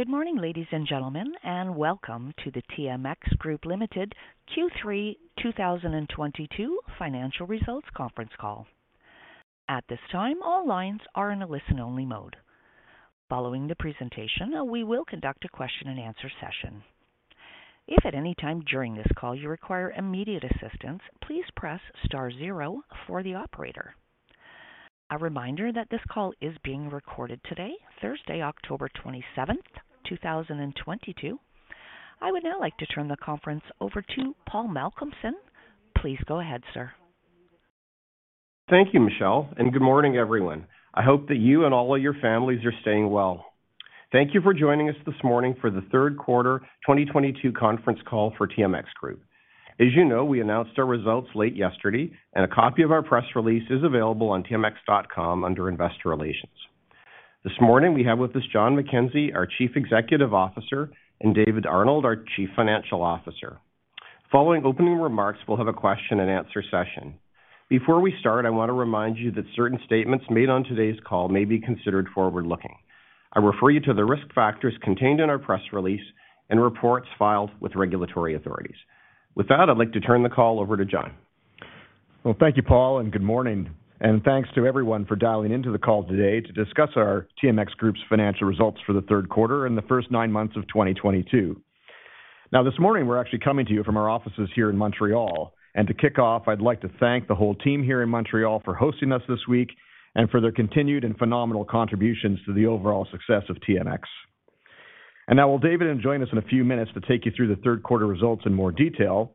Good morning, ladies and gentlemen, and welcome to the TMX Group Limited Q3 2022 financial results conference call. At this time, all lines are in a listen-only mode. Following the presentation, we will conduct a question and answer session. If at any time during this call you require immediate assistance, please press star zero for the operator. A reminder that this call is being recorded today, Thursday, October 27th, 2022. I would now like to turn the conference over to Paul Malcolmson. Please go ahead, sir. Thank you, Michelle, and good morning, everyone. I hope that you and all of your families are staying well. Thank you for joining us this morning for the third quarter 2022 conference call for TMX Group. As you know, we announced our results late yesterday, and a copy of our press release is available on TMX.com under Investor Relations. This morning, we have with us John McKenzie, our Chief Executive Officer, and David Arnold, our Chief Financial Officer. Following opening remarks, we'll have a question and answer session. Before we start, I want to remind you that certain statements made on today's call may be considered forward-looking. I refer you to the risk factors contained in our press release and reports filed with regulatory authorities. With that, I'd like to turn the call over to John. Well, thank you, Paul, and good morning, and thanks to everyone for dialing into the call today to discuss our TMX Group's financial results for the third quarter and the first nine months of 2022. Now this morning, we're actually coming to you from our offices here in Montréal. To kick off, I'd like to thank the whole team here in Montréal for hosting us this week and for their continued and phenomenal contributions to the overall success of TMX. While David will join us in a few minutes to take you through the third quarter results in more detail,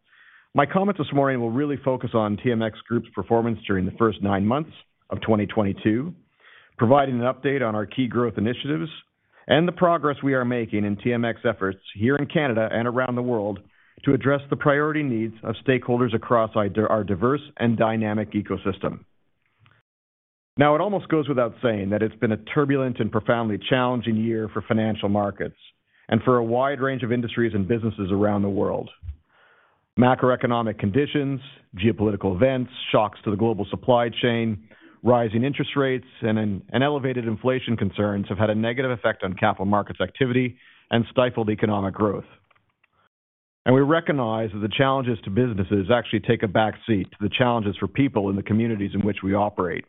my comments this morning will really focus on TMX Group's performance during the first nine months of 2022, providing an update on our key growth initiatives and the progress we are making in TMX efforts here in Canada and around the world to address the priority needs of stakeholders across our our diverse and dynamic ecosystem. Now, it almost goes without saying that it's been a turbulent and profoundly challenging year for financial markets and for a wide range of industries and businesses around the world. Macroeconomic conditions, geopolitical events, shocks to the global supply chain, rising interest rates, and and elevated inflation concerns have had a negative effect on capital markets activity and stifled economic growth. We recognize that the challenges to businesses actually take a back seat to the challenges for people in the communities in which we operate.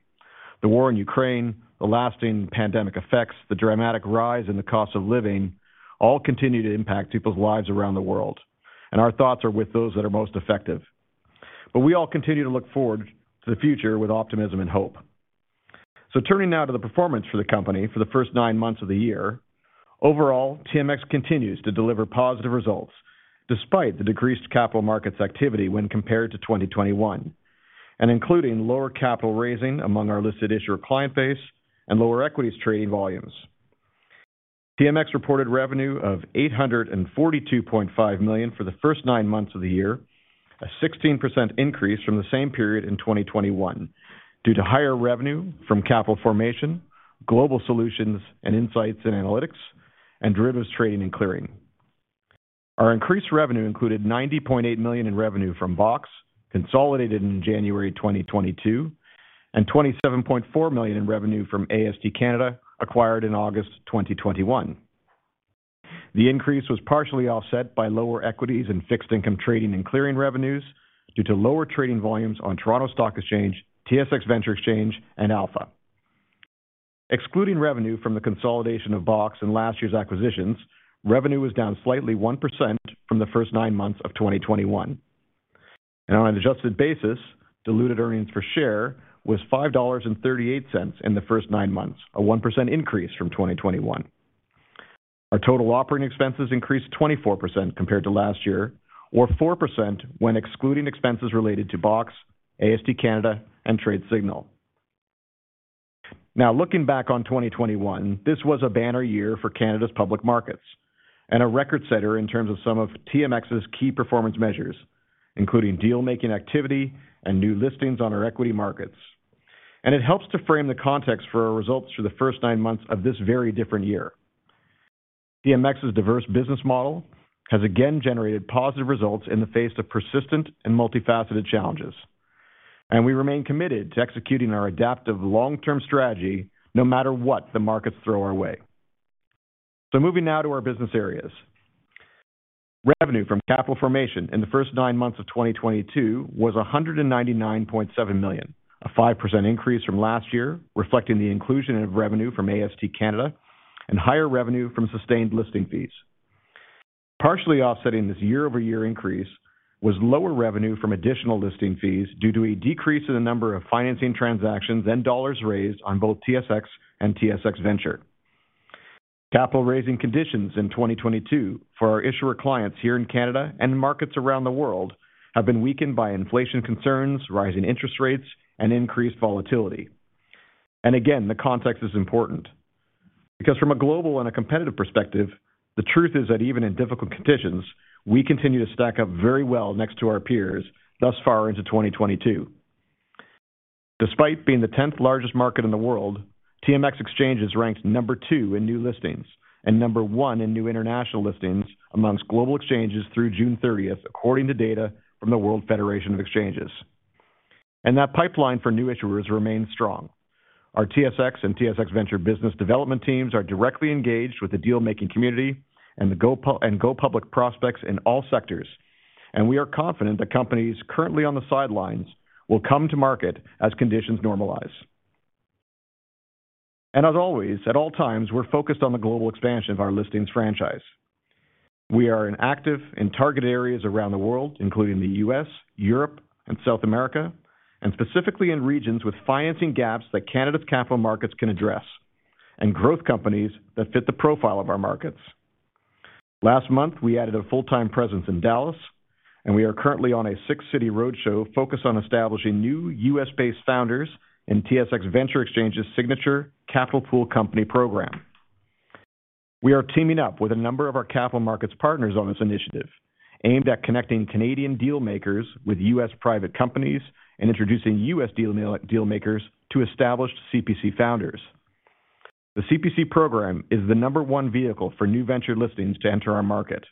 The war in Ukraine, the lasting pandemic effects, the dramatic rise in the cost of living all continue to impact people's lives around the world, and our thoughts are with those that are most affected. We all continue to look forward to the future with optimism and hope. Turning now to the performance for the company for the first nine months of the year. Overall, TMX continues to deliver positive results despite the decreased capital markets activity when compared to 2021, and including lower capital raising among our listed issuer client base and lower equities trading volumes. TMX reported revenue of 842.5 million for the first nine months of the year, a 16% increase from the same period in 2021 due to higher revenue from Capital Formation, Global Solutions, Insights and Analytics, and Derivatives Trading and Clearing. Our increased revenue included 90.8 million in revenue from BOX, consolidated in January 2022, and 27.4 million in revenue from AST Canada, acquired in August 2021. The increase was partially offset by lower Equities and Fixed Income Trading and Clearing revenues due to lower trading volumes on Toronto Stock Exchange, TSX Venture Exchange, and Alpha. Excluding revenue from the consolidation of BOX in last year's acquisitions, revenue was down slightly 1% from the first nine months of 2021. On an adjusted basis, diluted earnings per share was 5.38 dollars in the first nine months, a 1% increase from 2021. Our total operating expenses increased 24% compared to last year or 4% when excluding expenses related to BOX, AST Canada, and TradeSignal. Now looking back on 2021, this was a banner year for Canada's public markets and a record setter in terms of some of TMX's key performance measures, including deal-making activity and new listings on our equity markets. It helps to frame the context for our results for the first nine months of this very different year. TMX's diverse business model has again generated positive results in the face of persistent and multifaceted challenges, and we remain committed to executing our adaptive long-term strategy no matter what the markets throw our way. Moving now to our business areas. Revenue from Capital Formation in the first nine months of 2022 was 199.7 million, a 5% increase from last year, reflecting the inclusion of revenue from AST Canada and higher revenue from sustained listing fees. Partially offsetting this year-over-year increase was lower revenue from additional listing fees due to a decrease in the number of financing transactions and dollars raised on both TSX and TSX Venture. Capital raising conditions in 2022 for our issuer clients here in Canada and markets around the world have been weakened by inflation concerns, rising interest rates, and increased volatility. Again, the context is important because from a global and a competitive perspective, the truth is that even in difficult conditions, we continue to stack up very well next to our peers thus far into 2022. Despite being the 10th largest market in the world, TMX Exchange is ranked number 2 in new listings and number 1 in new international listings among global exchanges through June 30th, according to data from the World Federation of Exchanges. That pipeline for new issuers remains strong. Our TSX and TSX Venture business development teams are directly engaged with the deal-making community and the go-public prospects in all sectors. We are confident that companies currently on the sidelines will come to market as conditions normalize. As always, at all times, we're focused on the global expansion of our listings franchise. We are active in target areas around the world, including the U.S., Europe, and South America, and specifically in regions with financing gaps that Canada's capital markets can address, and growth companies that fit the profile of our markets. Last month, we added a full-time presence in Dallas, and we are currently on a six-city roadshow focused on establishing new U.S.-based founders in TSX Venture Exchange's signature Capital Pool Company program. We are teaming up with a number of our capital markets partners on this initiative, aimed at connecting Canadian deal makers with U.S. private companies and introducing U.S. deal makers to established CPC founders. The CPC program is the number one vehicle for new venture listings to enter our market.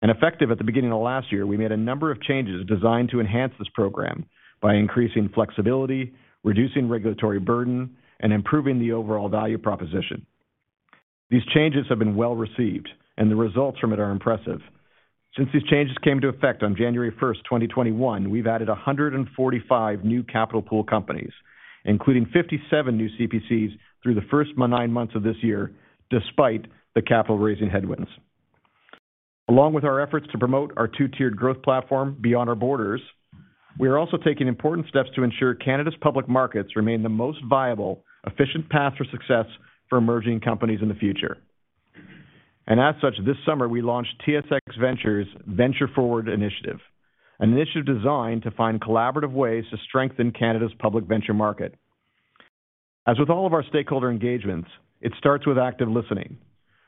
Effective at the beginning of last year, we made a number of changes designed to enhance this program by increasing flexibility, reducing regulatory burden, and improving the overall value proposition. These changes have been well-received, and the results from it are impressive. Since these changes came into effect on January 1st, 2021, we've added 145 new Capital Pool Companies, including 57 new CPCs through the first nine months of this year, despite the capital-raising headwinds. Along with our efforts to promote our two-tiered growth platform beyond our borders, we are also taking important steps to ensure Canada's public markets remain the most viable, efficient path for success for emerging companies in the future. As such, this summer, we launched TSX Venture Exchange's Venture Forward initiative, an initiative designed to find collaborative ways to strengthen Canada's public venture market. As with all of our stakeholder engagements, it starts with active listening,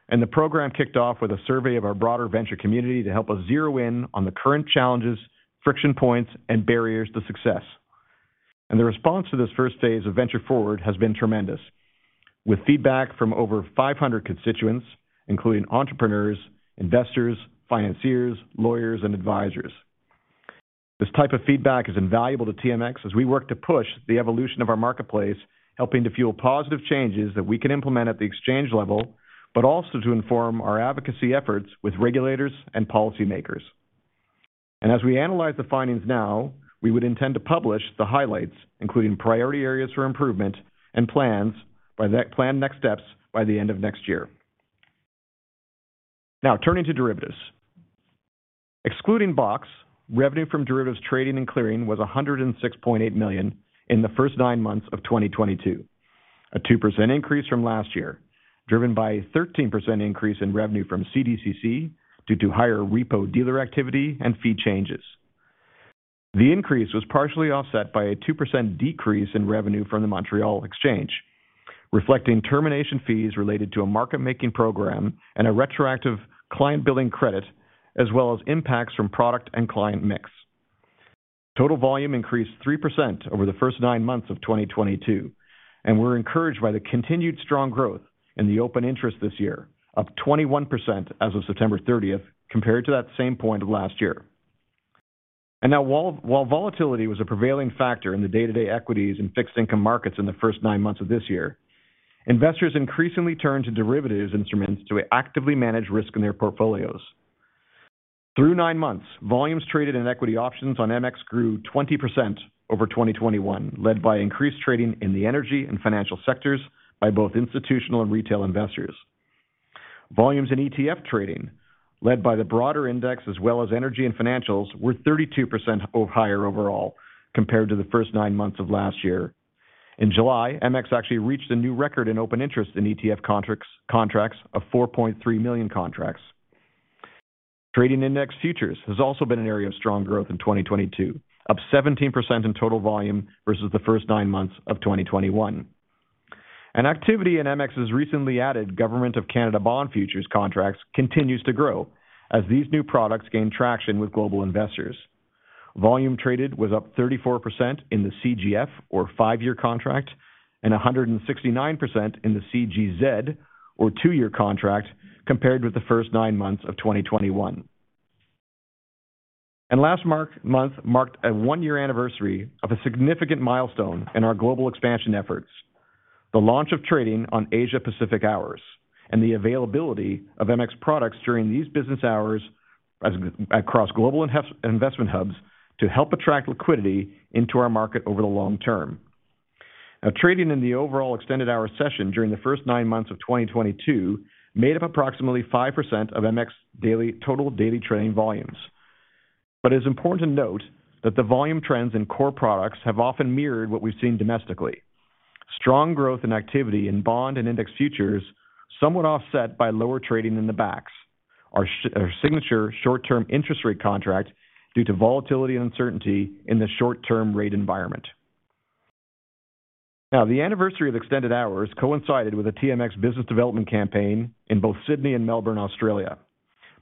and the program kicked off with a survey of our broader venture community to help us zero in on the current challenges, friction points, and barriers to success. The response to this first phase of Venture Forward has been tremendous, with feedback from over 500 constituents, including entrepreneurs, investors, financiers, lawyers, and advisors. This type of feedback is invaluable to TMX as we work to push the evolution of our marketplace, helping to fuel positive changes that we can implement at the exchange level, but also to inform our advocacy efforts with regulators and policymakers. As we analyze the findings now, we would intend to publish the highlights, including priority areas for improvement and planned next steps by the end of next year. Now turning to derivatives. Excluding BOX, revenue from derivatives trading and clearing was 106.8 million in the first nine months of 2022, a 2% increase from last year, driven by a 13% increase in revenue from CDCC due to higher repo dealer activity and fee changes. The increase was partially offset by a 2% decrease in revenue from the Montréal Exchange, reflecting termination fees related to a market-making program and a retroactive client billing credit, as well as impacts from product and client mix. Total volume increased 3% over the first nine months of 2022, and we're encouraged by the continued strong growth in the open interest this year, up 21% as of September 13th compared to that same point last year. Now while volatility was a prevailing factor in the day-to-day equities and fixed income markets in the first nine months of this year, investors increasingly turned to derivatives instruments to actively manage risk in their portfolios. Through nine months, volumes traded in equity options on MX grew 20% over 2021, led by increased trading in the energy and financial sectors by both institutional and retail investors. Volumes in ETF trading, led by the broader index as well as energy and financials, were 32% higher overall compared to the first nine months of last year. In July, MX actually reached a new record in open interest in ETF contracts of 4.3 million contracts. Trading index futures has also been an area of strong growth in 2022, up 17% in total volume versus the first nine months of 2021. Activity in MX's recently added Government of Canada bond futures contracts continues to grow as these new products gain traction with global investors. Volume traded was up 34% in the CGF, or five-year contract, and 169% in the CGZ, or two-year contract, compared with the first nine months of 2021. Last month marked a one-year anniversary of a significant milestone in our global expansion efforts, the launch of trading on Asia Pacific hours and the availability of MX products during these business hours across global investment hubs to help attract liquidity into our market over the long term. Trading in the overall extended hour session during the first nine months of 2022 made up approximately 5% of total daily trading volumes. It's important to note that the volume trends in core products have often mirrored what we've seen domestically. Strong growth and activity in bond and index futures somewhat offset by lower trading in the BAX, our signature short-term interest rate contract due to volatility and uncertainty in the short-term rate environment. Now, the anniversary of extended hours coincided with a TMX business development campaign in both Sydney and Melbourne, Australia,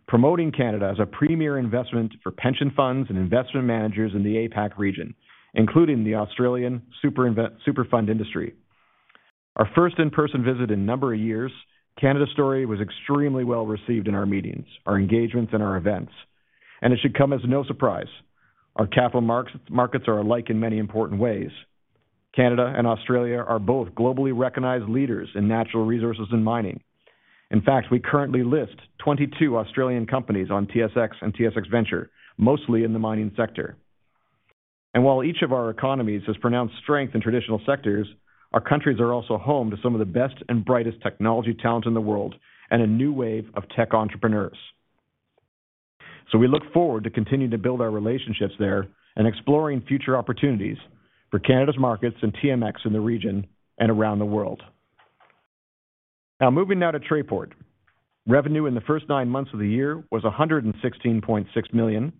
promoting Canada as a premier investment for pension funds and investment managers in the APAC region, including the Australian super fund industry. Our first in-person visit in a number of years, Canada story was extremely well received in our meetings, our engagements, and our events, and it should come as no surprise. Our capital markets are alike in many important ways. Canada and Australia are both globally recognized leaders in natural resources and mining. In fact, we currently list 22 Australian companies on TSX and TSX Venture, mostly in the mining sector. While each of our economies has pronounced strength in traditional sectors, our countries are also home to some of the best and brightest technology talent in the world and a new wave of tech entrepreneurs. We look forward to continuing to build our relationships there and exploring future opportunities for Canada's markets and TMX in the region and around the world. Now moving to Trayport. Revenue in the first nine months of the year was 116.6 million,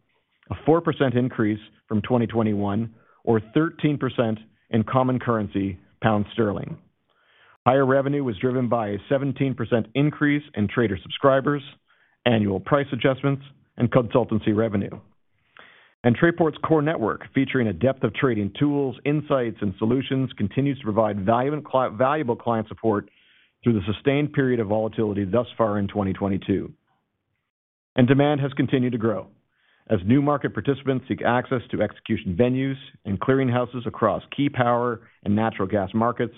a 4% increase from 2021 or 13% in constant currency pound sterling. Higher revenue was driven by a 17% increase in trader subscribers, annual price adjustments, and consultancy revenue. Trayport's core network, featuring a depth of trading tools, insights, and solutions, continues to provide valuable client support through the sustained period of volatility thus far in 2022. Demand has continued to grow. As new market participants seek access to execution venues and clearing houses across key power and natural gas markets,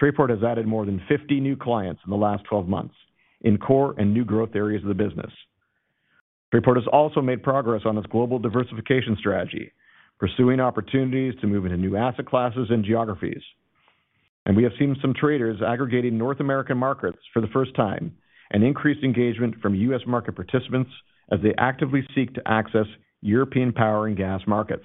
Trayport has added more than 50 new clients in the last 12 months in core and new growth areas of the business. Trayport has also made progress on its global diversification strategy, pursuing opportunities to move into new asset classes and geographies. We have seen some traders aggregating North American markets for the first time and increased engagement from U.S. market participants as they actively seek to access European power and gas markets.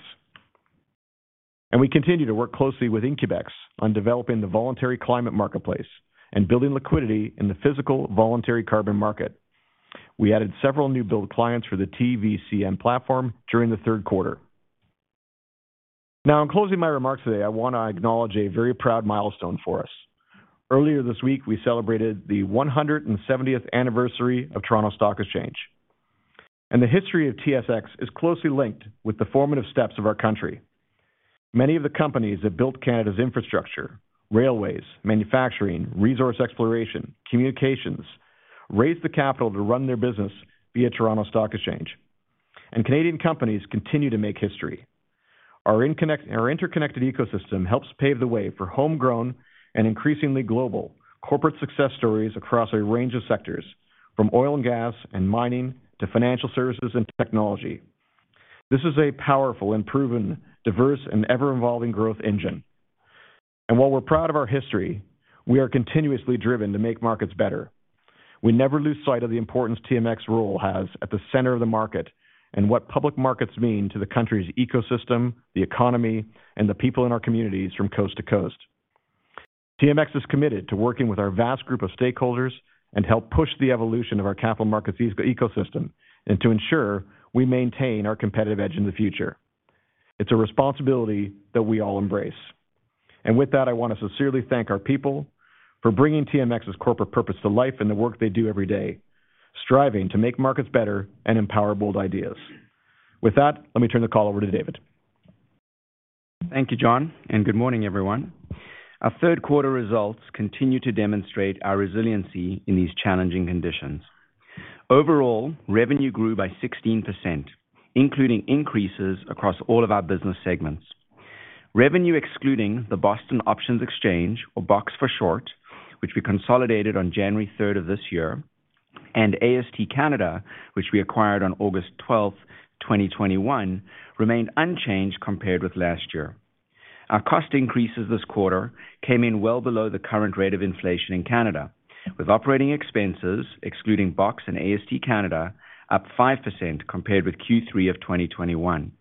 We continue to work closely with IncubEx on developing the voluntary climate marketplace and building liquidity in the physical voluntary carbon market. We added several new build clients for the TVCM platform during the third quarter. Now in closing my remarks today, I want to acknowledge a very proud milestone for us. Earlier this week, we celebrated the 170th anniversary of Toronto Stock Exchange. The history of TSX is closely linked with the formative steps of our country. Many of the companies that built Canada's infrastructure, railways, manufacturing, resource exploration, communications, raised the capital to run their business via Toronto Stock Exchange, and Canadian companies continue to make history. Our interconnected ecosystem helps pave the way for homegrown and increasingly global corporate success stories across a range of sectors, from oil and gas and mining to financial services and technology. This is a powerful and proven diverse and ever-evolving growth engine. While we're proud of our history, we are continuously driven to make markets better. We never lose sight of the importance TMX's role has at the center of the market, and what public markets mean to the country's ecosystem, the economy, and the people in our communities from coast to coast. TMX is committed to working with our vast group of stakeholders and help push the evolution of our capital markets ecosystem and to ensure we maintain our competitive edge in the future. It's a responsibility that we all embrace. With that, I want to sincerely thank our people for bringing TMX's corporate purpose to life and the work they do every day, striving to make markets better and empower bold ideas. With that, let me turn the call over to David. Thank you, John, and good morning, everyone. Our third quarter results continue to demonstrate our resiliency in these challenging conditions. Overall, revenue grew by 16%, including increases across all of our business segments. Revenue excluding the Boston Options Exchange or BOX for short, which we consolidated on January 3rd of this year, and AST Canada, which we acquired on August 12th, 2021, remained unchanged compared with last year. Our cost increases this quarter came in well below the current rate of inflation in Canada, with operating expenses excluding BOX and AST Canada up 5% compared with Q3 of 2021.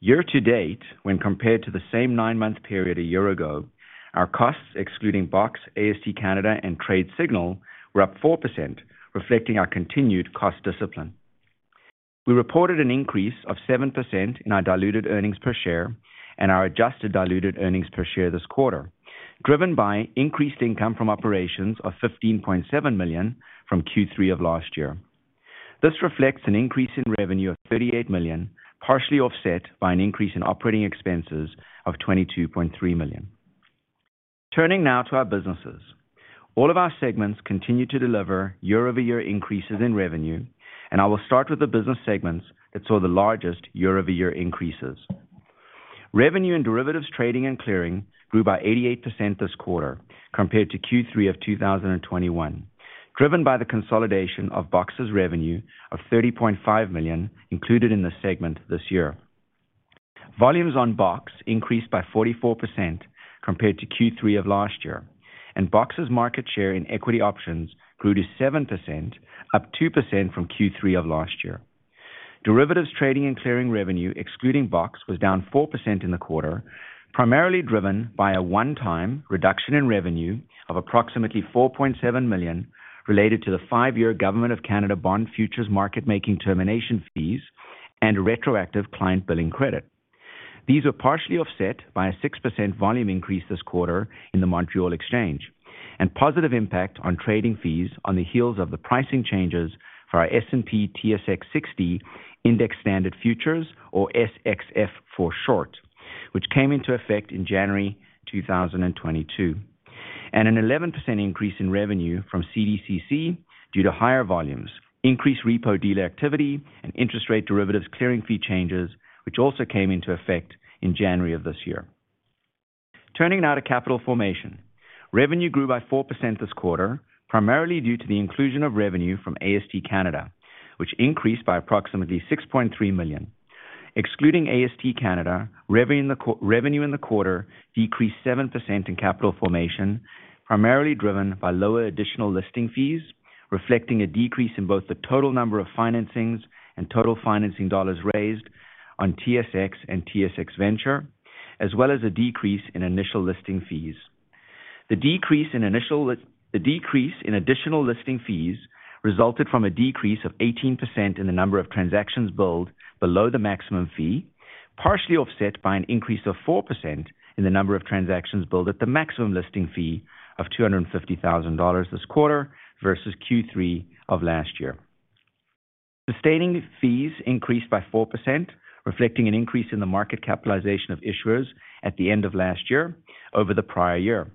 Year to date, when compared to the same nine-month period a year ago, our costs excluding BOX, AST Canada, and TradeSignal were up 4%, reflecting our continued cost discipline. We reported an increase of 7% in our diluted earnings per share and our adjusted diluted earnings per share this quarter, driven by increased income from operations of 15.7 million from Q3 of last year. This reflects an increase in revenue of 38 million, partially offset by an increase in operating expenses of 22.3 million. Turning now to our businesses. All of our segments continue to deliver year-over-year increases in revenue, and I will start with the business segments that saw the largest year-over-year increases. Revenue in Derivatives Trading and Clearing grew by 88% this quarter compared to Q3 of 2021, driven by the consolidation of BOX's revenue of 30.5 million included in the segment this year. Volumes on BOX increased by 44% compared to Q3 of last year, and BOX's market share in equity options grew to 7%, up 2% from Q3 of last year. Derivatives trading and clearing revenue, excluding BOX, was down 4% in the quarter, primarily driven by a one-time reduction in revenue of approximately 4.7 million related to the Five-Year Government of Canada Bond Futures market making termination fees and retroactive client billing credit. These were partially offset by a 6% volume increase this quarter in the Montréal Exchange. Positive impact on trading fees on the heels of the pricing changes for our S&P/TSX 60 Index Standard Futures or SXF for short, which came into effect in January 2022. An 11% increase in revenue from CDCC due to higher volumes, increased repo dealer activity and interest rate derivatives clearing fee changes, which also came into effect in January of this year. Turning now to Capital Formation. Revenue grew by 4% this quarter, primarily due to the inclusion of revenue from AST Canada, which increased by approximately 63 million. Excluding AST Canada, revenue in the quarter decreased 7% in Capital Formation, primarily driven by lower additional listing fees, reflecting a decrease in both the total number of financings and total financing dollars raised on TSX and TSX Venture, as well as a decrease in initial listing fees. The decrease in additional listing fees resulted from a decrease of 18% in the number of transactions billed below the maximum fee, partially offset by an increase of 4% in the number of transactions billed at the maximum listing fee of 250,000 dollars this quarter versus Q3 of last year. Sustaining fees increased by 4%, reflecting an increase in the market capitalization of issuers at the end of last year over the prior year.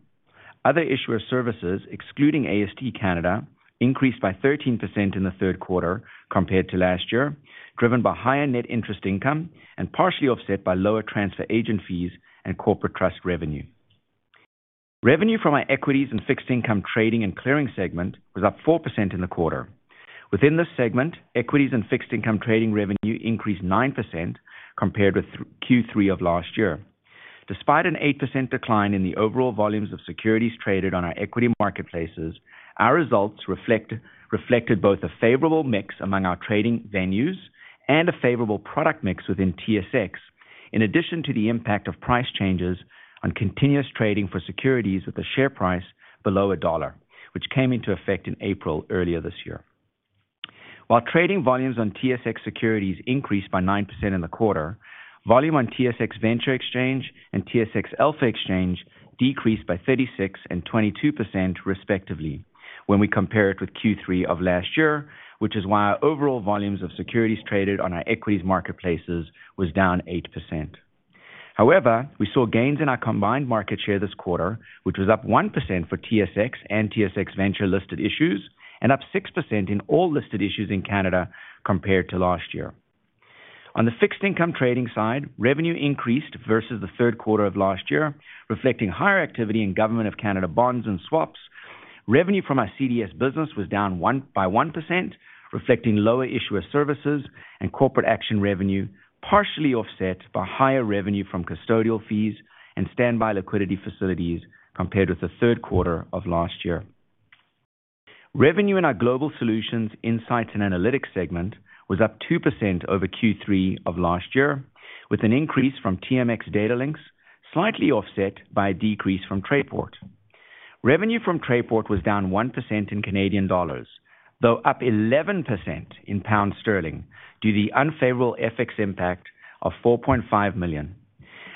Other issuer services, excluding AST Canada, increased by 13% in the third quarter compared to last year, driven by higher net interest income and partially offset by lower transfer agent fees and corporate trust revenue. Revenue from our Equities and Fixed Income Trading and Clearing segment was up 4% in the quarter. Within this segment, equities and fixed income trading revenue increased 9% compared with Q3 of last year. Despite an 8% decline in the overall volumes of securities traded on our equity marketplaces, our results reflected both a favorable mix among our trading venues and a favorable product mix within TSX, in addition to the impact of price changes on continuous trading for securities with a share price below a dollar, which came into effect in April earlier this year. While trading volumes on TSX securities increased by 9% in the quarter, volume on TSX Venture Exchange and TSX Alpha Exchange decreased by 36% and 22% respectively when we compare it with Q3 of last year, which is why our overall volumes of securities traded on our equities marketplaces was down 8%. However, we saw gains in our combined market share this quarter, which was up 1% for TSX and TSX Venture listed issues, and up 6% in all listed issues in Canada compared to last year. On the fixed income trading side, revenue increased versus the third quarter of last year, reflecting higher activity in government of Canada bonds and swaps. Revenue from our CDS business was down by 1%, reflecting lower issuer services and corporate action revenue, partially offset by higher revenue from custodial fees and standby liquidity facilities compared with the third quarter of last year. Revenue in our Global Solutions, Insights and Analytics segment was up 2% over Q3 of last year, with an increase from TMX Datalinx slightly offset by a decrease from Trayport. Revenue from Trayport was down 1% in Canadian dollars, though up 11% in pound sterling due to the unfavorable FX impact of 4.5 million.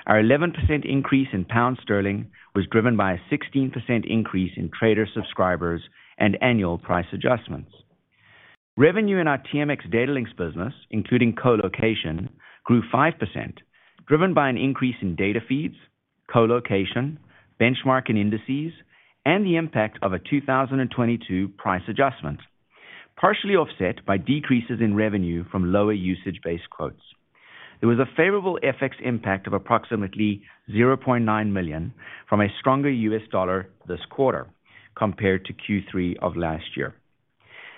Our 11% increase in pound sterling was driven by a 16% increase in trader subscribers and annual price adjustments. Revenue in our TMX Datalinx business, including colocation, grew 5%, driven by an increase in data feeds, colocation, benchmark and indices, and the impact of a 2022 price adjustment, partially offset by decreases in revenue from lower usage-based quotes. There was a favorable FX impact of approximately 0.9 million from a stronger US dollar this quarter compared to Q3 of last year.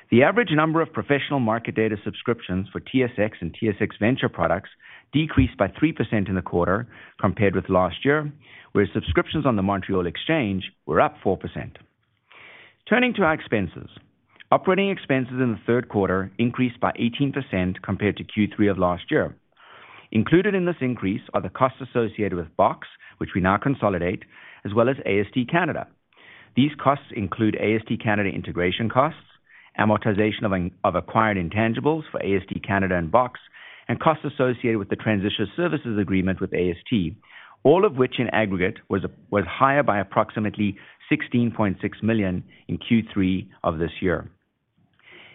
The average number of professional market data subscriptions for TSX and TSX Venture products decreased by 3% in the quarter compared with last year, where subscriptions on the Montréal Exchange were up 4%. Turning to our expenses. Operating expenses in the third quarter increased by 18% compared to Q3 of last year. Included in this increase are the costs associated with BOX, which we now consolidate, as well as AST Canada. These costs include AST Canada integration costs, amortization of acquired intangibles for AST Canada and BOX, and costs associated with the transition services agreement with AST, all of which in aggregate was higher by approximately 16.6 million in Q3 of this year.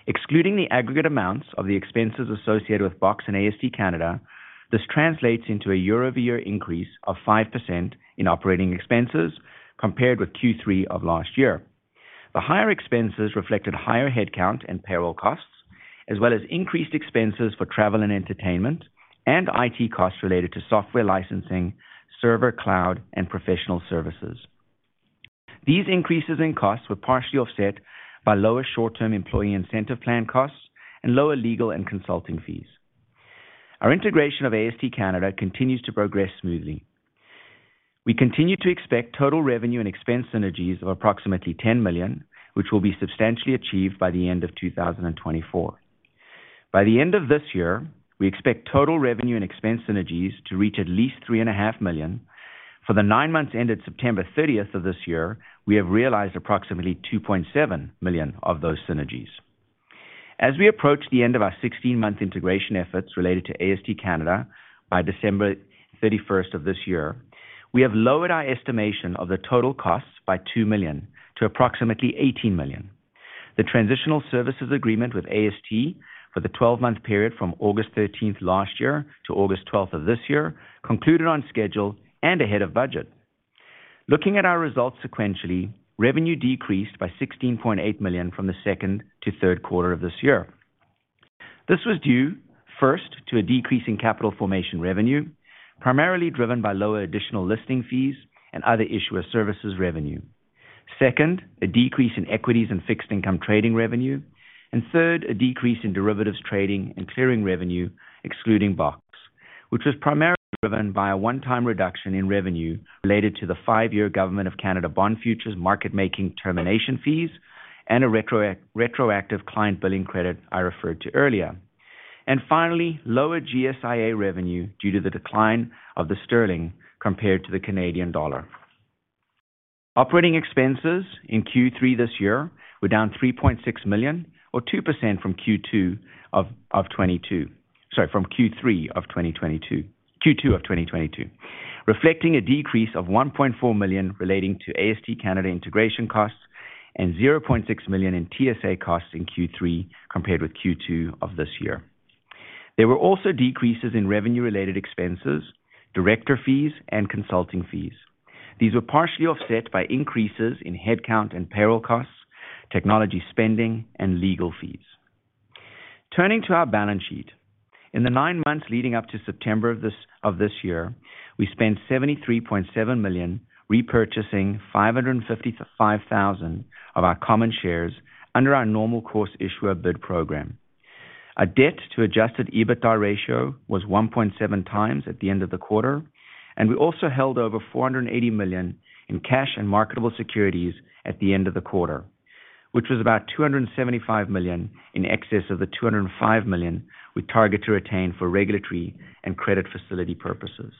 Excluding the aggregate amounts of the expenses associated with BOX and AST Canada, this translates into a year-over-year increase of 5% in operating expenses compared with Q3 of last year. The higher expenses reflected higher headcount and payroll costs, as well as increased expenses for travel and entertainment and IT costs related to software licensing, server cloud, and professional services. These increases in costs were partially offset by lower short-term employee incentive plan costs and lower legal and consulting fees. Our integration of AST Canada continues to progress smoothly. We continue to expect total revenue and expense synergies of approximately 10 million, which will be substantially achieved by the end of 2024. By the end of this year, we expect total revenue and expense synergies to reach at least 3.5 million. For the nine months ended September 30th of this year, we have realized approximately 2.7 million of those synergies. As we approach the end of our 16-month integration efforts related to AST Canada by December 31st of this year, we have lowered our estimation of the total costs by 2 million to approximately 18 million. The transitional services agreement with AST for the 12-month period from August 13th last year to August 12th of this year concluded on schedule and ahead of budget. Looking at our results sequentially, revenue decreased by 16.8 million from the second to third quarter of this year. This was due first to a decrease in Capital Formation revenue, primarily driven by lower additional listing fees and other issuer services revenue. Second, a decrease in Equities and Fixed Income Trading revenue. Third, a decrease in derivatives trading and clearing revenue, excluding box, which was primarily driven by a one-time reduction in revenue related to the five-year Government of Canada bond futures market making termination fees and a retroactive client billing credit I referred to earlier. Finally, lower GSIA revenue due to the decline of the sterling compared to the Canadian dollar. Operating expenses in Q3 this year were down 3.6 million, or 2% from Q3 of 2022. Reflecting a decrease of 1.4 million relating to AST Canada integration costs and 0.6 million in TSA costs in Q3 compared with Q2 of this year. There were also decreases in revenue-related expenses, director fees, and consulting fees. These were partially offset by increases in headcount and payroll costs, technology spending, and legal fees. Turning to our balance sheet. In the nine months leading up to September of this year, we spent 73.7 million repurchasing 555,000 of our common shares under our Normal Course Issuer Bid program. Our debt to adjusted EBITDA ratio was 1.7 times at the end of the quarter, and we also held over 480 million in cash and marketable securities at the end of the quarter, which was about 275 million in excess of the 205 million we target to retain for regulatory and credit facility purposes.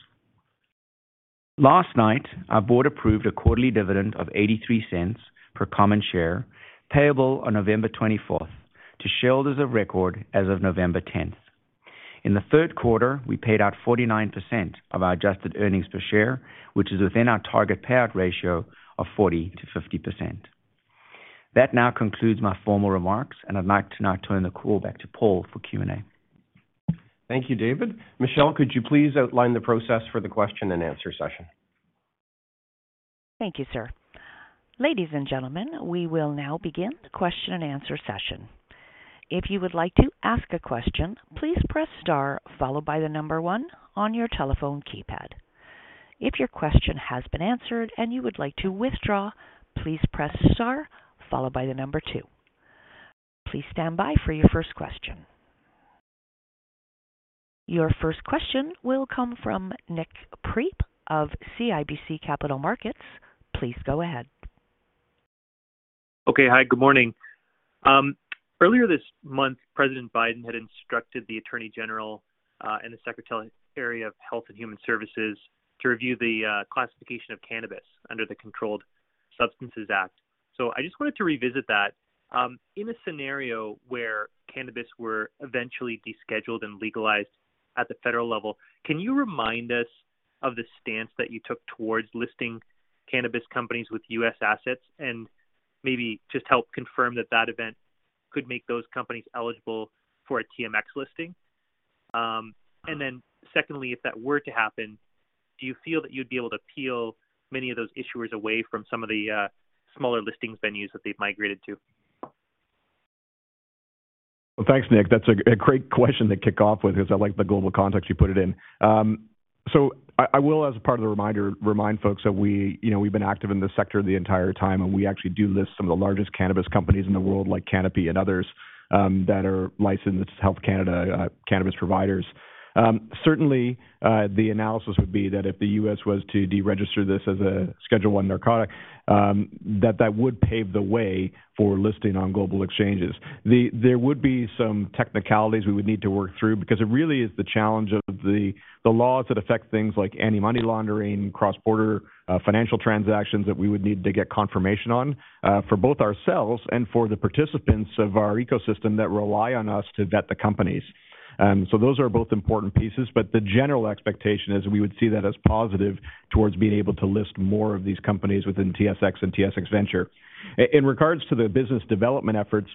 Last night, our board approved a quarterly dividend of 0.83 per common share, payable on November 24th, to shareholders of record as of November 10th. In the third quarter, we paid out 49% of our adjusted earnings per share, which is within our target payout ratio of 40%-50%. That now concludes my formal remarks, and I'd like to now turn the call back to Paul for Q&A. Thank you, David. Michelle, could you please outline the process for the question and answer session? Thank you, sir. Ladies and gentlemen, we will now begin the question and answer session. If you would like to ask a question, please press star followed by one on your telephone keypad. If your question has been answered and you would like to withdraw, please press star followed by two. Please stand by for your first question. Your first question will come from Nik Priebe of CIBC Capital Markets. Please go ahead. Okay. Hi, good morning. Earlier this month, President Biden had instructed the Attorney General, and the Secretary of Health and Human Services to review the classification of cannabis under the Controlled Substances Act. I just wanted to revisit that. In a scenario where cannabis were eventually descheduled and legalized at the federal level, can you remind us of the stance that you took towards listing cannabis companies with U.S. assets and maybe just help confirm that that event could make those companies eligible for a TMX listing? And then secondly, if that were to happen, do you feel that you'd be able to peel many of those issuers away from some of the smaller listings venues that they've migrated to? Well, thanks, Nik. That's a great question to kick off with because I like the global context you put it in. I will, as a part of the reminder, remind folks that we, you know, we've been active in this sector the entire time, and we actually do list some of the largest cannabis companies in the world, like Canopy and others, that are licensed with Health Canada, cannabis providers. Certainly, the analysis would be that if the U.S. was to deregister this as a Schedule 1 narcotic, that would pave the way for listing on global exchanges. There would be some technicalities we would need to work through because it really is the challenge of the laws that affect things like anti-money laundering, cross-border financial transactions that we would need to get confirmation on for both ourselves and for the participants of our ecosystem that rely on us to vet the companies. Those are both important pieces, but the general expectation is we would see that as positive towards being able to list more of these companies within TSX and TSX Venture. In regards to the business development efforts,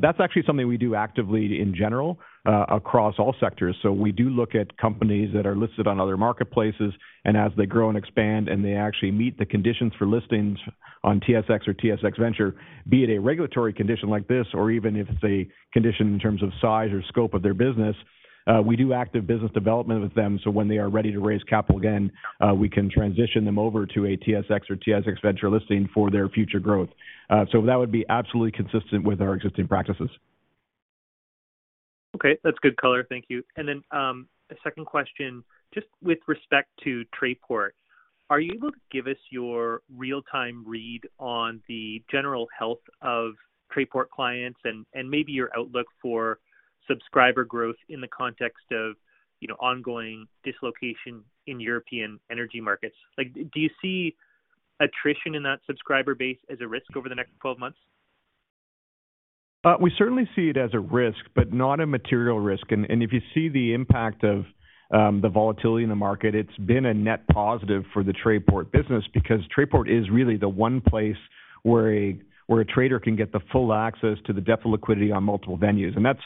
that's actually something we do actively in general across all sectors. We do look at companies that are listed on other marketplaces, and as they grow and expand and they actually meet the conditions for listings on TSX or TSX Venture, be it a regulatory condition like this or even if it's a condition in terms of size or scope of their business, we do active business development with them, so when they are ready to raise capital again, we can transition them over to a TSX or TSX Venture listing for their future growth. That would be absolutely consistent with our existing practices. Okay. That's good color. Thank you. A second question, just with respect to Trayport. Are you able to give us your real-time read on the general health of Trayport clients and maybe your outlook for subscriber growth in the context of, you know, ongoing dislocation in European energy markets. Like, do you see attrition in that subscriber base as a risk over the next 12 months? We certainly see it as a risk, but not a material risk. If you see the impact of the volatility in the market, it's been a net positive for the Trayport business because Trayport is really the one place where a trader can get the full access to the depth of liquidity on multiple venues. That's,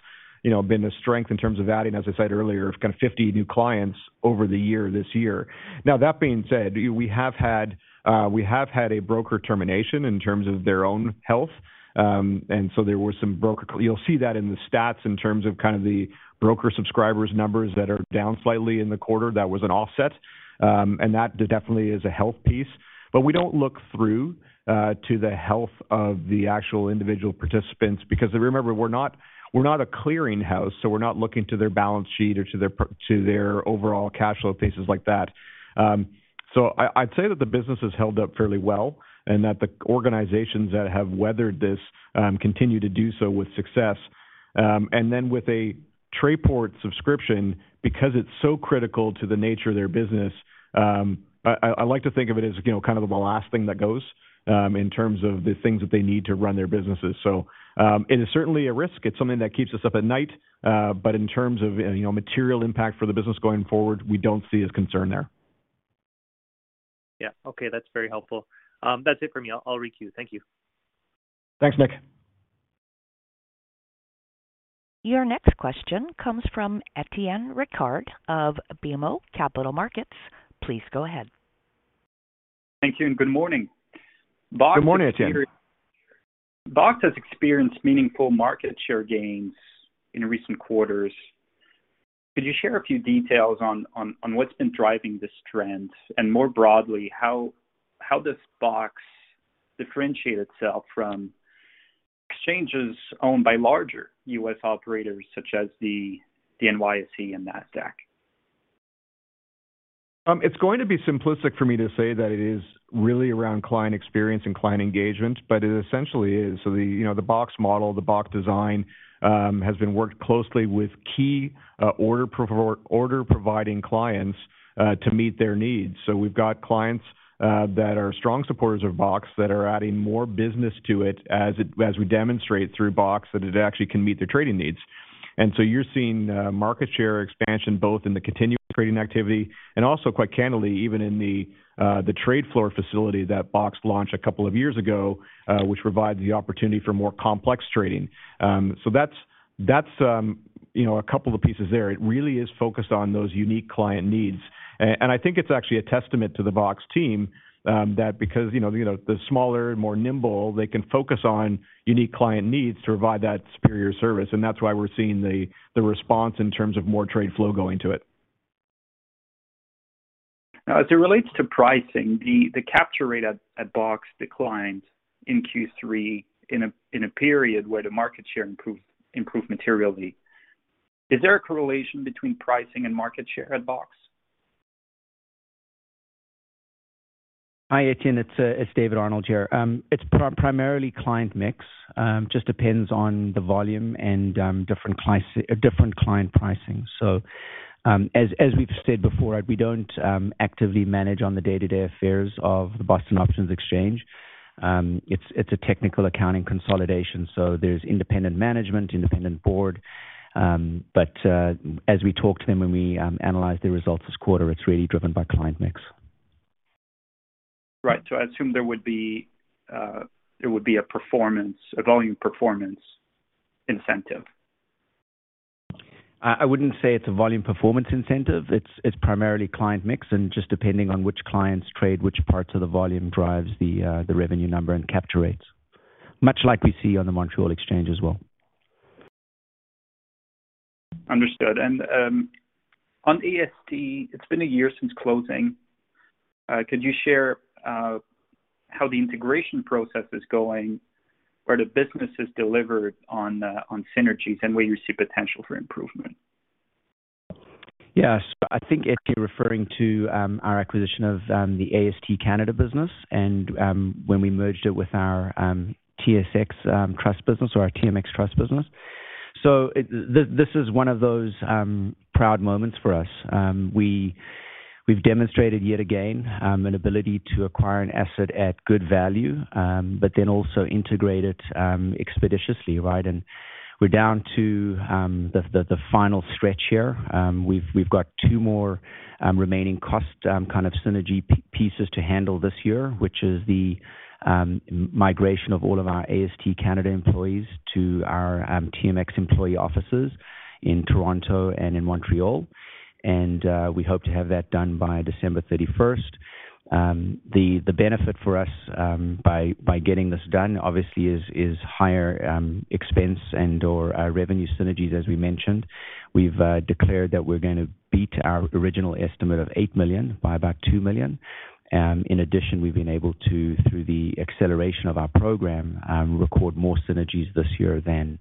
you know, been the strength in terms of adding, as I said earlier, kind of 50 new clients over the year this year. Now that being said, we have had a broker termination in terms of their own health. You'll see that in the stats in terms of kind of the broker subscribers numbers that are down slightly in the quarter. That was an offset, and that definitely is a health piece. We don't look through to the health of the actual individual participants because remember, we're not a clearing house, so we're not looking to their balance sheet or to their overall cash flow, places like that. I'd say that the business has held up fairly well, and that the organizations that have weathered this continue to do so with success. With a Trayport subscription, because it's so critical to the nature of their business, I like to think of it as, you know, kind of the last thing that goes in terms of the things that they need to run their businesses. It is certainly a risk. It's something that keeps us up at night. In terms of, you know, material impact for the business going forward, we don't see a concern there. Yeah. Okay, that's very helpful. That's it for me. I'll requeue. Thank you. Thanks, Nik. Your next question comes from Étienne Ricard of BMO Capital Markets. Please go ahead. Thank you, and good morning. Good morning, Étienne. BOX has experienced meaningful market share gains in recent quarters. Could you share a few details on what's been driving this trend, and more broadly, how does BOX differentiate itself from exchanges owned by larger U.S. operators such as the NYSE and Nasdaq? It's going to be simplistic for me to say that it is really around client experience and client engagement, but it essentially is. You know, the BOX model, the BOX design has been worked closely with key order providing clients to meet their needs. We've got clients that are strong supporters of BOX that are adding more business to it as we demonstrate through BOX that it actually can meet their trading needs. You're seeing market share expansion both in the continuing trading activity and also quite candidly, even in the trade floor facility that BOX launched a couple of years ago, which provides the opportunity for more complex trading. That's you know, a couple of pieces there. It really is focused on those unique client needs. I think it's actually a testament to the BOX team, that because, you know, the smaller and more nimble, they can focus on unique client needs to provide that superior service, and that's why we're seeing the response in terms of more trade flow going to it. Now, as it relates to pricing, the capture rate at BOX declined in Q3 in a period where the market share improved materially. Is there a correlation between pricing and market share at BOX? Hi, Étienne. It's David Arnold here. It's primarily client mix. Just depends on the volume and different client pricing. As we've said before, we don't actively manage on the day-to-day affairs of the Boston Options Exchange. It's a technical accounting consolidation, so there's independent management, independent board. As we talk to them and we analyze the results this quarter, it's really driven by client mix. Right. I assume there would be a performance, a volume performance incentive. I wouldn't say it's a volume performance incentive. It's primarily client mix, and just depending on which clients trade which parts of the volume drives the revenue number and capture rates. Much like we see on the Montréal Exchange as well. Understood. On AST, it's been a year since closing. Could you share how the integration process is going, where the business has delivered on synergies and where you see potential for improvement? Yeah. I think, Étienne, you're referring to our acquisition of the AST Canada business and when we merged it with our TSX Trust business or our TMX Trust business. This is one of those proud moments for us. We've demonstrated yet again an ability to acquire an asset at good value, but then also integrate it expeditiously, right? We're down to the final stretch here. We've got two more remaining cost kind of synergy pieces to handle this year, which is the migration of all of our AST Canada employees to our TMX employee offices in Toronto and in Montreal. We hope to have that done by December 31st. The benefit for us by getting this done, obviously, is higher expense and/or revenue synergies, as we mentioned. We've declared that we're gonna beat our original estimate of 8 million by about 2 million. In addition, we've been able to, through the acceleration of our program, record more synergies this year than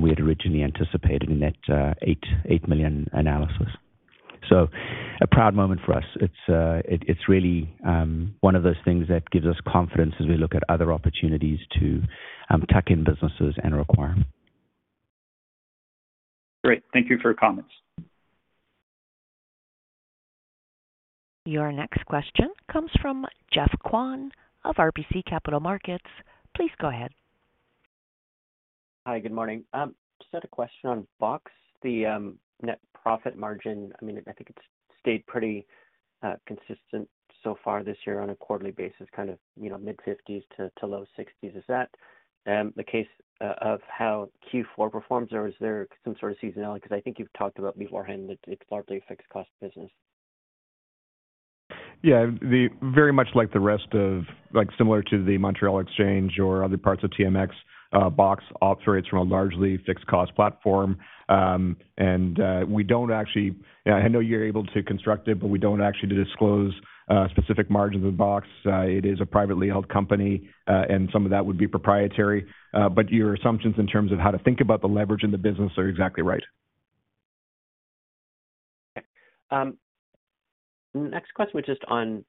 we had originally anticipated in that 8 million analysis. A proud moment for us. It's really one of those things that gives us confidence as we look at other opportunities to tuck in businesses and acquire. Great. Thank you for your comments. Your next question comes from Geoff Kwan of RBC Capital Markets. Please go ahead. Hi. Good morning. Just had a question on BOX, the net profit margin. I mean, I think it's stayed pretty consistent so far this year on a quarterly basis, kind of, you know, mid-50s% to low 60s%. Is that the case of how Q4 performs, or is there some sort of seasonality? Because I think you've talked about beforehand that it's largely a fixed cost business. Yeah. Very much like the rest of, similar to the Montréal Exchange or other parts of TMX, BOX operates from a largely fixed cost platform. We don't actually I know you're able to construct it, but we don't actually disclose specific margins of BOX. It is a privately held company, and some of that would be proprietary. Your assumptions in terms of how to think about the leverage in the business are exactly right. Okay. Next question was just on,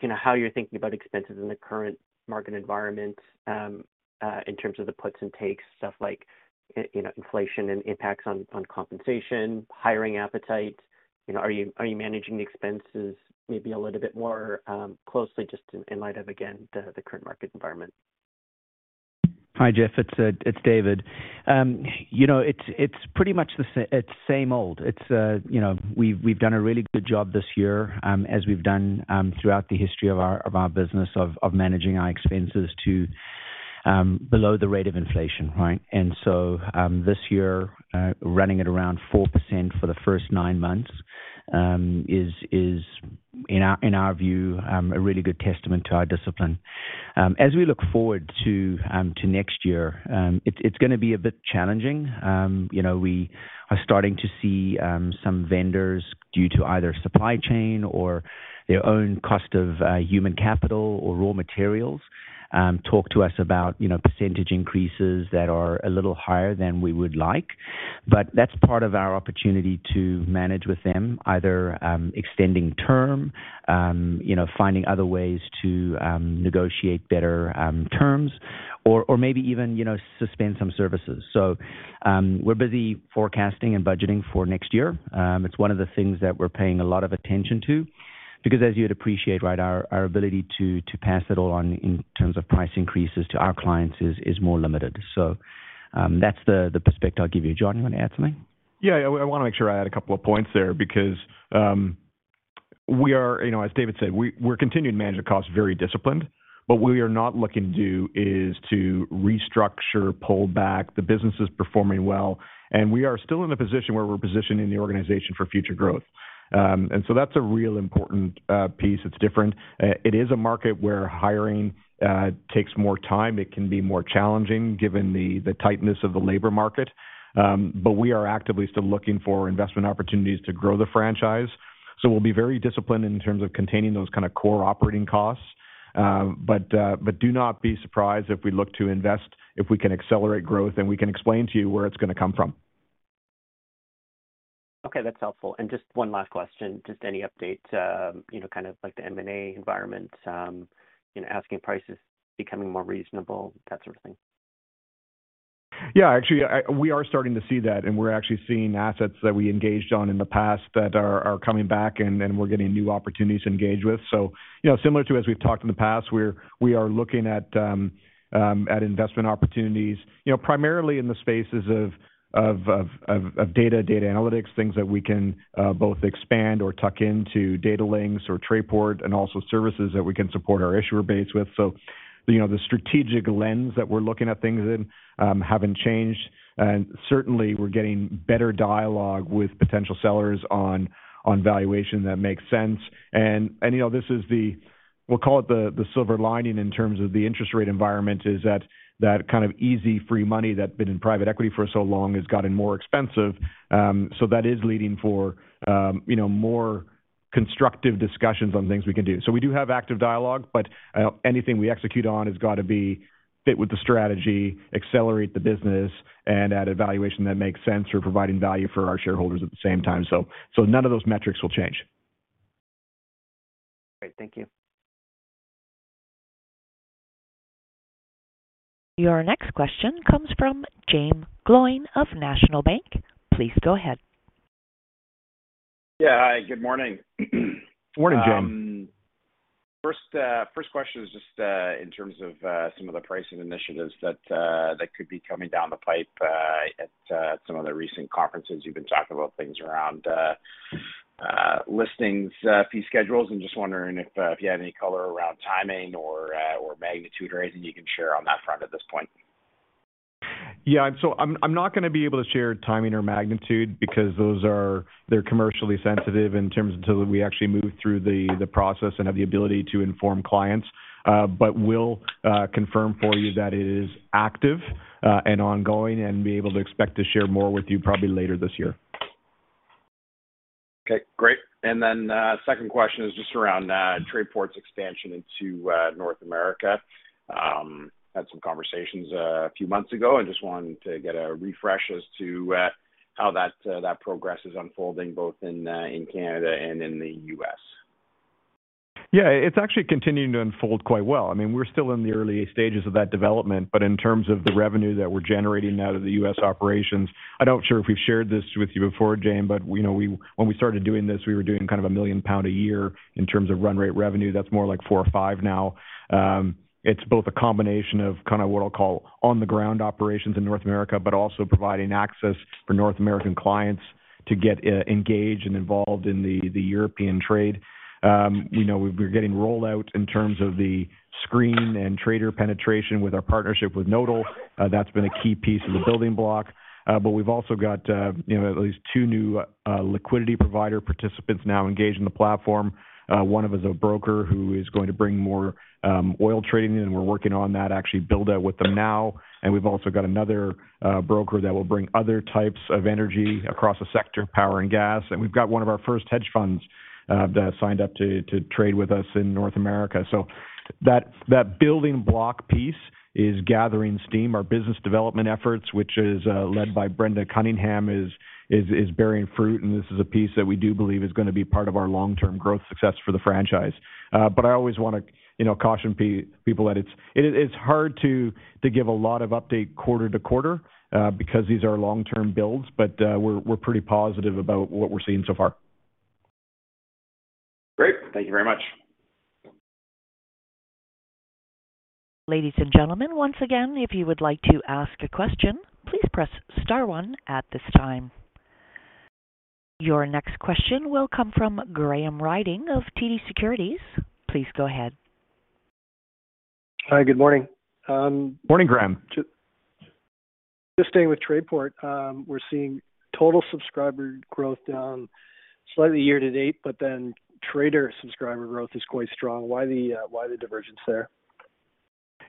you know, how you're thinking about expenses in the current market environment, in terms of the puts and takes, stuff like, you know, inflation and impacts on compensation, hiring appetite. You know, are you managing the expenses maybe a little bit more closely just in light of, again, the current market environment? Hi, Geoff Kwan. It's David. You know, it's pretty much the same old. You know, we've done a really good job this year, as we've done throughout the history of our business of managing our expenses to below the rate of inflation, right? This year, running at around 4% for the first 9 months is in our view a really good testament to our discipline. As we look forward to next year, it's gonna be a bit challenging. You know, we are starting to see some vendors due to either supply chain or their own cost of human capital or raw materials talk to us about, you know, percentage increases that are a little higher than we would like. That's part of our opportunity to manage with them either extending term, you know, finding other ways to negotiate better terms or maybe even, you know, suspend some services. We're busy forecasting and budgeting for next year. It's one of the things that we're paying a lot of attention to, because as you'd appreciate, right, our ability to pass it all on in terms of price increases to our clients is more limited. That's the perspective I'll give you. John, you want to add something? Yeah, I want to make sure I add a couple of points there because, we are, you know, as David said, we're continuing to manage the cost very disciplined, but we are not looking to do is to restructure, pull back. The business is performing well, and we are still in a position where we're positioning the organization for future growth. That's a real important piece. It's different. It is a market where hiring takes more time. It can be more challenging given the tightness of the labor market. We are actively still looking for investment opportunities to grow the franchise. We'll be very disciplined in terms of containing those kind of core operating costs. Do not be surprised if we look to invest, if we can accelerate growth, and we can explain to you where it's going to come from. Okay, that's helpful. Just one last question. Just any update to, you know, kind of like the M&A environment, you know, asking prices becoming more reasonable, that sort of thing. Yeah, actually, we are starting to see that, and we're actually seeing assets that we engaged on in the past that are coming back and we're getting new opportunities to engage with. You know, similar to as we've talked in the past, we are looking at investment opportunities, you know, primarily in the spaces of data analytics, things that we can both expand or tuck into Datalinx or Trayport and also services that we can support our issuer base with. You know, the strategic lens that we're looking at things in haven't changed. Certainly we're getting better dialogue with potential sellers on valuation that makes sense. You know, this is the, we'll call it, the silver lining in terms of the interest rate environment is that that kind of easy free money that's been in private equity for so long has gotten more expensive. That is leading to, you know, more constructive discussions on things we can do. We do have active dialogue, but anything we execute on has got to be fit with the strategy, accelerate the business and at a valuation that makes sense. We're providing value for our shareholders at the same time. None of those metrics will change. Great. Thank you. Your next question comes from Jaeme Gloyn of National Bank Financial. Please go ahead. Yeah. Hi, good morning. Morning, Jaeme. First question is just in terms of some of the pricing initiatives that could be coming down the pipe. At some of the recent conferences, you've been talking about things around listings, fee schedules. I'm just wondering if you had any color around timing or magnitude or anything you can share on that front at this point. I'm not going to be able to share timing or magnitude because they're commercially sensitive in terms of till we actually move through the process and have the ability to inform clients. But we'll confirm for you that it is active and ongoing and be able to expect to share more with you probably later this year. Okay, great. Second question is just around Trayport's expansion into North America. Had some conversations a few months ago and just wanted to get a refresh as to how that progress is unfolding both in Canada and in the U.S. Yeah, it's actually continuing to unfold quite well. I mean, we're still in the early stages of that development, but in terms of the revenue that we're generating out of the U.S. operations, I'm not sure if we've shared this with you before, Jaeme, but, you know, when we started doing this, we were doing kind of 1 million pound a year in terms of run rate revenue. That's more like 4 or 5 now. It's both a combination of kind of what I'll call on the ground operations in North America, but also providing access for North American clients to get engaged and involved in the European trade. You know, we're getting rollout in terms of the screen and trader penetration with our partnership with Nodal. That's been a key piece of the building block. We've also got, you know, at least two new liquidity provider participants now engaged in the platform. One of is a broker who is going to bring more oil trading in, and we're working on that actually build out with them now. We've also got another broker that will bring other types of energy across the sector, power and gas. We've got one of our first hedge funds that signed up to trade with us in North America. That building block piece is gathering steam. Our business development efforts, which is led by Brenda Cunningham, is bearing fruit, and this is a piece that we do believe is gonna be part of our long-term growth success for the franchise. I always wanna, you know, caution people that it is hard to give a lot of updates quarter to quarter, because these are long-term builds, but we're pretty positive about what we're seeing so far. Great. Thank you very much. Ladies and gentlemen, once again, if you would like to ask a question, please press star one at this time. Your next question will come from Graham Ryding of TD Securities. Please go ahead. Hi, good morning. Morning, Graham. Just staying with Trayport, we're seeing total subscriber growth down slightly year to date, but then trader subscriber growth is quite strong. Why the divergence there?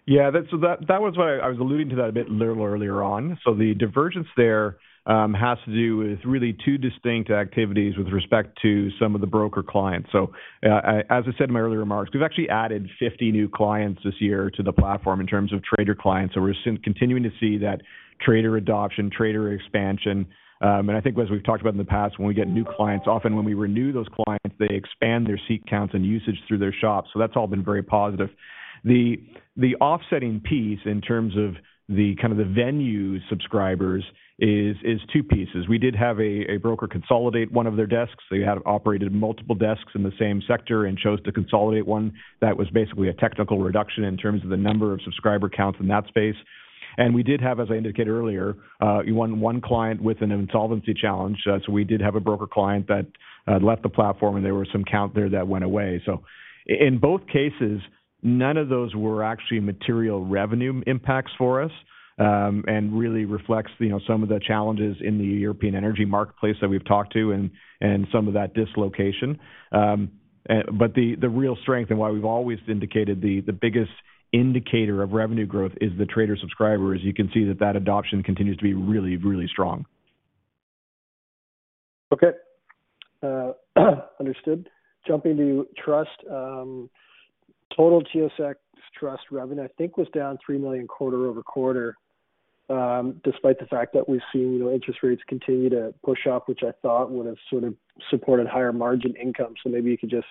That was why I was alluding to that a little bit earlier on. The divergence there has to do with really two distinct activities with respect to some of the broker clients. As I said in my earlier remarks, we've actually added 50 new clients this year to the platform in terms of trader clients. We're continuing to see that trader adoption, trader expansion. I think as we've talked about in the past, when we get new clients, often when we renew those clients, they expand their seat counts and usage through their shops. That's all been very positive. The offsetting piece in terms of the kind of venue subscribers is two pieces. We did have a broker consolidate one of their desks. You had operated multiple desks in the same sector and chose to consolidate one. That was basically a technical reduction in terms of the number of subscriber counts in that space. We did have, as I indicated earlier, one client with an insolvency challenge. We did have a broker client that left the platform and there were some counts there that went away. In both cases, none of those were actually material revenue impacts for us, and really reflects, you know, some of the challenges in the European energy marketplace that we've talked to and some of that dislocation. The real strength and why we've always indicated the biggest indicator of revenue growth is the trader subscriber. As you can see, that adoption continues to be really, really strong. Okay. Understood. Jumping to trust, total TSX Trust revenue, I think, was down 3 million quarter-over-quarter, despite the fact that we've seen interest rates continue to push up, which I thought would have sort of supported higher margin income. Maybe you could just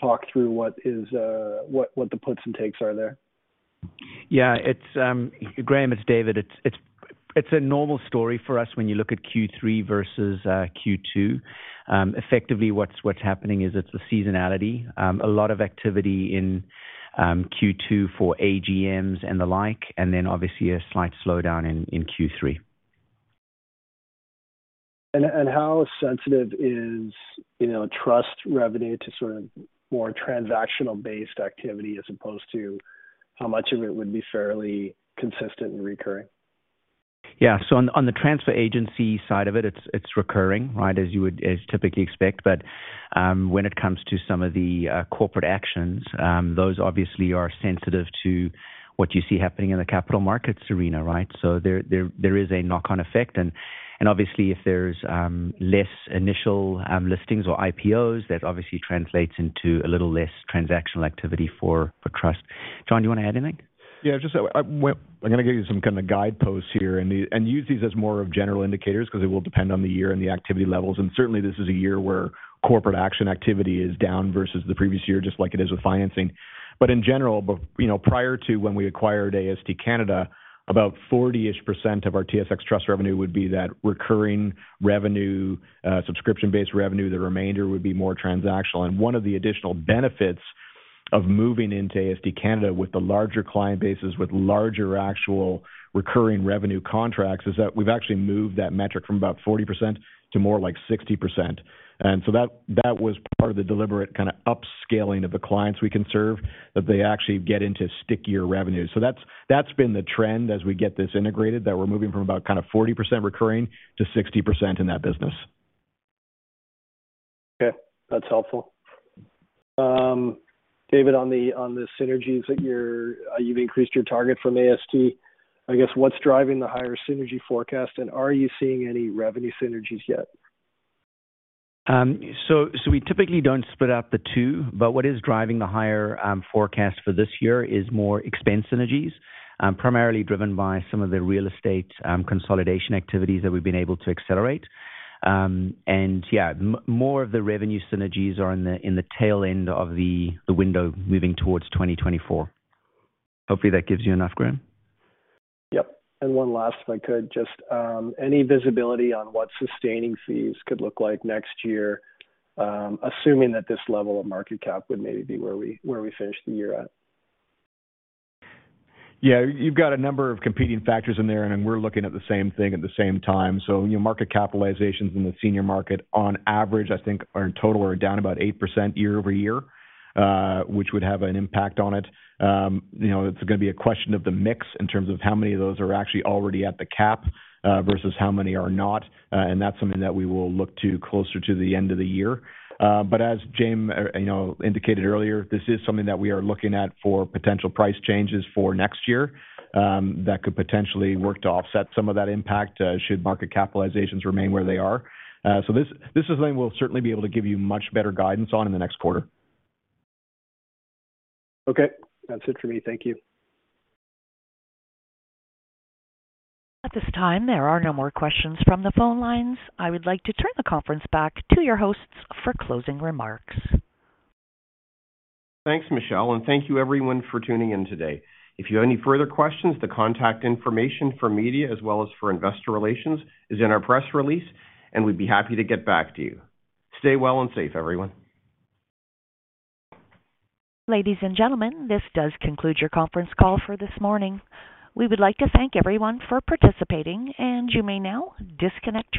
talk through what is, what the puts and takes are there. Yeah. It's Graham, it's David. It's a normal story for us when you look at Q3 versus Q2. Effectively, what's happening is it's a seasonality. A lot of activity in Q2 for AGMs and the like, and then obviously a slight slowdown in Q3. How sensitive is, you know, trust revenue to sort of more transactional based activity as opposed to how much of it would be fairly consistent and recurring? Yeah. On the transfer agency side of it's recurring, right? As you would typically expect. When it comes to some of the corporate actions, those obviously are sensitive to what you see happening in the capital markets arena, right? There is a knock-on effect. Obviously, if there's less initial listings or IPOs, that obviously translates into a little less transactional activity for Trust. John, do you wanna add anything? I'm gonna give you some kind of guideposts here and use these as more of general indicators 'cause it will depend on the year and the activity levels. Certainly this is a year where corporate action activity is down versus the previous year, just like it is with financing. In general, you know, prior to when we acquired AST Canada, about 40% of our TSX Trust revenue would be that recurring revenue, subscription-based revenue. The remainder would be more transactional. One of the additional benefits of moving into AST Canada with the larger client bases, with larger actual recurring revenue contracts, is that we've actually moved that metric from about 40% to more like 60%. That was part of the deliberate kinda upscaling of the clients we can serve, that they actually get into stickier revenues. That's been the trend as we get this integrated, that we're moving from about kinda 40% recurring to 60% in that business. Okay. That's helpful. David, on the synergies that you've increased your target from AST. I guess, what's driving the higher synergy forecast, and are you seeing any revenue synergies yet? We typically don't split up the two, but what is driving the higher forecast for this year is more expense synergies, primarily driven by some of the real estate consolidation activities that we've been able to accelerate. Yeah, more of the revenue synergies are in the tail end of the window moving towards 2024. Hopefully that gives you enough, Graham. Yep. One last, if I could. Just any visibility on what sustaining fees could look like next year, assuming that this level of market cap would maybe be where we finish the year at. Yeah. You've got a number of competing factors in there, and we're looking at the same thing at the same time. You know, market capitalizations in the senior market on average, I think in total are down about 8% year-over-year, which would have an impact on it. You know, it's gonna be a question of the mix in terms of how many of those are actually already at the cap, versus how many are not. That's something that we will look to closer to the end of the year. As Jaeme, you know, indicated earlier, this is something that we are looking at for potential price changes for next year, that could potentially work to offset some of that impact, should market capitalizations remain where they are. This is something we'll certainly be able to give you much better guidance on in the next quarter. Okay. That's it for me. Thank you. At this time, there are no more questions from the phone lines. I would like to turn the conference back to your hosts for closing remarks. Thanks, Michelle, and thank you everyone for tuning in today. If you have any further questions, the contact information for media as well as for investor relations is in our press release, and we'd be happy to get back to you. Stay well and safe, everyone. Ladies and gentlemen, this does conclude your conference call for this morning. We would like to thank everyone for participating, and you may now disconnect your lines.